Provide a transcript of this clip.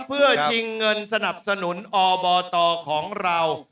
เพื่อชิงเงินสนับสนุนอบตของเรา